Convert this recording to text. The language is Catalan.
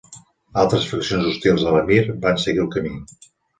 Altres fraccions hostils a l'emir, van seguir el camí.